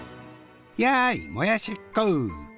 「やいもやしっ子！」。